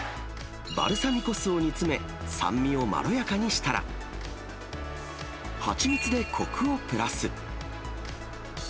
バルサミコ酢を煮詰め、酸味をまろやかにしたら、蜂蜜でこくをプラス。